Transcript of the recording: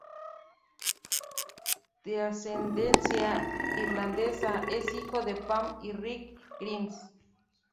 De ascendencia irlandesa, es hijo de Pam y Rick Grimes.